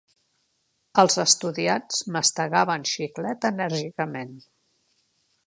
Els estudiants mastegaven xiclet enèrgicament.